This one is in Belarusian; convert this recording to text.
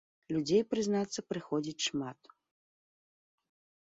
Людзей, прызнаецца, прыходзіць шмат.